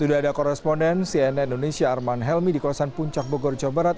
sudah ada koresponden cnn indonesia arman helmi di kawasan puncak bogor jawa barat